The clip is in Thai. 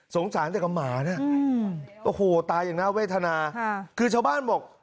สารแต่กับหมาเนี่ยโอ้โหตายอย่างน่าเวทนาคือชาวบ้านบอก